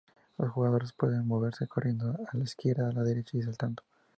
Los jugadores pueden moverse corriendo a la izquierda, a la derecha y saltando.